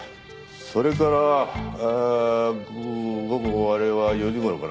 それから午後あれは４時頃かな。